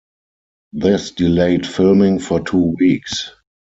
This delayed filming for two weeks.